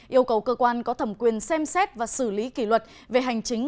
yêu cầu cơ quan có thẩm quyền xem xét và xử lý kỷ luật về hành chính